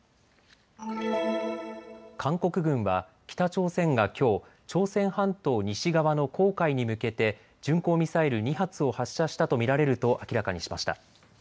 韓国軍は北朝鮮がきょう、朝鮮半島西側の黄海に向けて巡航ミサイル２発を発射したと見られると明らかにしました。